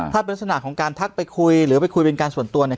ถ้าเป็นลักษณะของการทักไปคุยหรือไปคุยเป็นการส่วนตัวเนี่ย